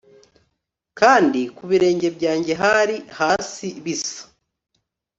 Kandi ku birenge byanjye hari hasi bisa